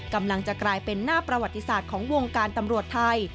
กำลังจะกลายเป็นหน้าประวัติศาสตร์ของวงการตำรวจไทย